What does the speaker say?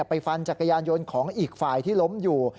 ไปฟันจักรยานยนต์ของอีกฝ่ายที่ล้มอยู่